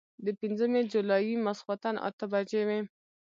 د پنځمې جولايې ماسخوتن اتۀ بجې وې